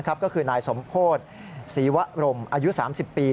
ก็คือนายสมโพธิศรีวะรมอายุ๓๐ปี